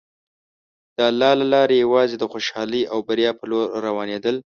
د الله له لارې یوازې د خوشحالۍ او بریا په لور روانېدل.